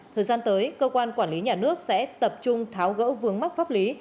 thời gian tới cơ quan quản lý nhà nước sẽ tập trung tháo gỡ vướng mắc pháp lý